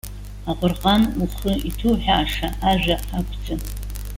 Аҟәырҟан, ухы иҭуҳәааша ажәа акәӡам.